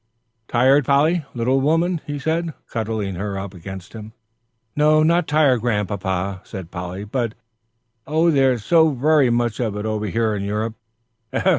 "Tired, Polly, little woman?" he said, cuddling her up against him. "No, not tired, Grandpapa," said Polly, "but, oh, there's so very much of it over here in Europe."